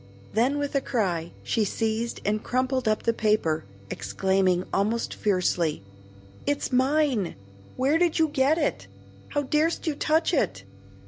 Then with a cry she seized and crumpled up the paper, exclaiming almost fiercely, "It's mine! Where did you get it? How dar'st you touch it?"